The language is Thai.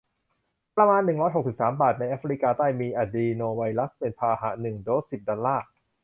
ประมาณ หนึ่งร้อยหกสิบสาม บาท ในแอฟริกาใต้ มีอะดรีโนไวรัสเป็นพาหะ หนึ่ง โดส สิบ ดอลลาร์